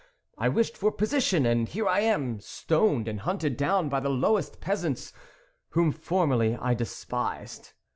" I wished for position, and here I am, stoned and hunted down by the lowest peasants, whom formerly I despised.